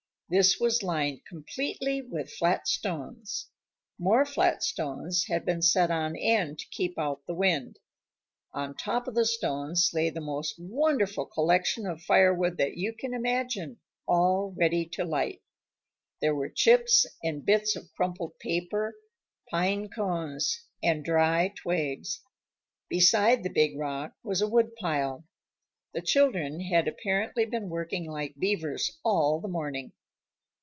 This was lined completely with flat stones. More flat stones had been set on end to keep out the wind. On top of the stones lay the most wonderful collection of firewood that you can imagine, all ready to light. There were chips and bits of crumpled paper, pine cones, and dry twigs. Beside the big rock was a woodpile. The children had apparently been working like beavers all the morning.